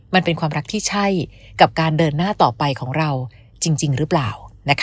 มันเป็นความรักที่ใช่กับการเดินหน้าต่อไปของเราจริงหรือเปล่า